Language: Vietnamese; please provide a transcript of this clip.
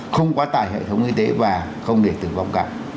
không quá tải hệ thống y tế và không để tử vong cả